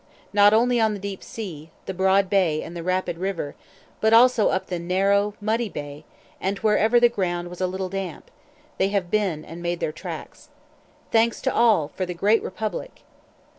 Not only on the deep sea, the broad bay, and the rapid river, but also up the narrow, muddy bay, and wherever the ground was a little damp, they have been, and made their tracks! Thanks to all for the great republic!"